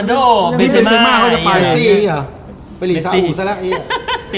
ได้ถ้วยด้วยเนอะ